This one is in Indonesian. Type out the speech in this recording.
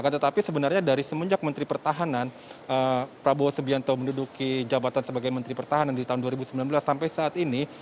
tetapi sebenarnya dari semenjak menteri pertahanan prabowo subianto menduduki jabatan sebagai menteri pertahanan di tahun dua ribu sembilan belas sampai saat ini